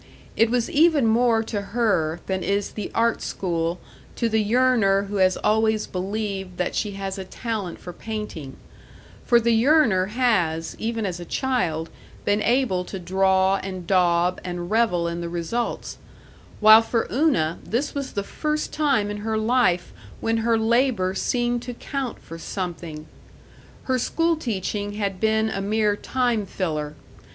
It was even more to her than is the art school to the yearner who has always believed that she has a talent for painting; for the yearner has, even as a child, been able to draw and daub and revel in the results; while for Una this was the first time in her life when her labor seemed to count for something. Her school teaching had been a mere time filler.